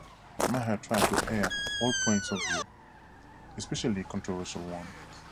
Maher tried to air all points of view, especially controversial ones.